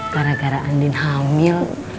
gara gara andi hamil